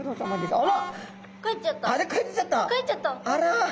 あら！